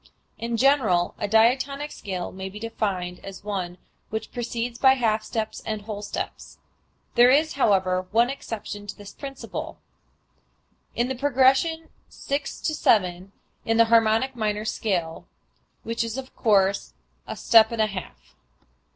In general a diatonic scale may be defined as one which proceeds by half steps and whole steps. There is, however, one exception to this principle, viz., in the progression six to seven in the harmonic minor scale, which is of course a step and a half.